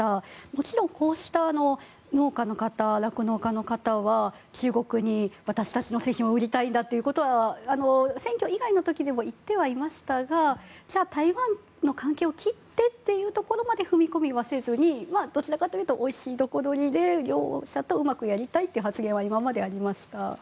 もちろんこうした農家の方、酪農家の方は中国に私たちの製品を売りたいんだということは選挙以外の時でも言ってはいましたがじゃあ、台湾の関係を切ってというところまで踏み込みはせずにどちらかというとおいしいところどりで、両者とうまくやりたいという発言は今まで、ありました。